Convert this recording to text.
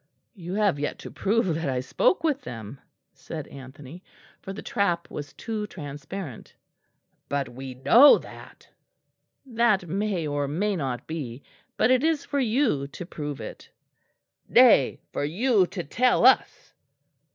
"You have yet to prove that I spoke with them," said Anthony, for the trap was too transparent. "But we know that." "That may or may not be; but it is for you to prove it." "Nay, for you to tell us."